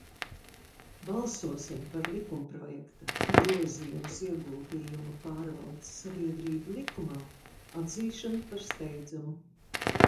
"Balsosim par likumprojekta "Grozījums Ieguldījumu pārvaldes sabiedrību likumā" atzīšanu par steidzamu!"